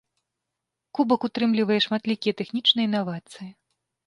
Кубак утрымлівае шматлікія тэхнічныя інавацыі.